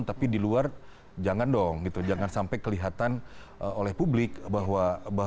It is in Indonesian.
tapi di luar jangan dong gitu jangan sampai kelihatan oleh publik bahwa